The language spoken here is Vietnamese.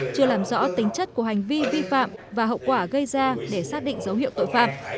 chưa làm rõ tính chất của hành vi vi phạm và hậu quả gây ra để xác định dấu hiệu tội phạm